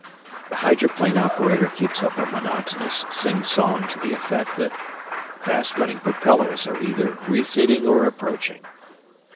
The Hydroplane Operator keeps up a monotonous sing song to the effect that "Fast running propellers are either receding or approaching."